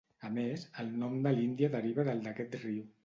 A més, el nom de l'Índia deriva del d'aquest riu.